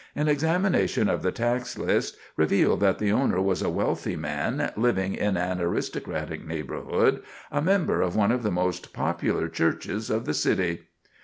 An examination of the tax list revealed that the owner was a wealthy man, living in an aristocratic neighborhood, a member of one of the most popular churches of the city.